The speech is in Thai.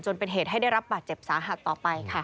เป็นเหตุให้ได้รับบาดเจ็บสาหัสต่อไปค่ะ